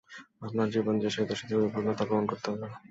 আপনার জীবন যে সেই দেশে ঝুঁকিপূর্ণ তা প্রমাণ করতে হবে।